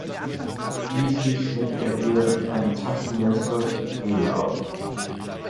Schließlich schnitt er ihr mit einem Taschenmesser die Kehle auf.